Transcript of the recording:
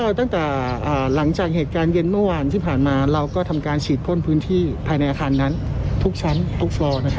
ตั้งแต่หลังจากเหตุการณ์เย็นเมื่อวานที่ผ่านมาเราก็ทำการฉีดพ่นพื้นที่ภายในอาคารนั้นทุกชั้นทุกฟลอ